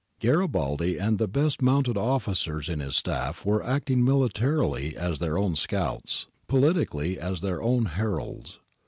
Garibaldi and the best mounted officers in his staff were acting militarily as their own scouts, politically as their own heralds.